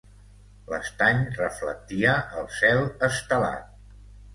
L'estany reflectia el cel estelat.